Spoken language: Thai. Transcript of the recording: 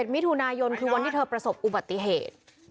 มิถุนายนคือวันที่เธอประสบอุบัติเหตุ